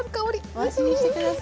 お味見して下さい。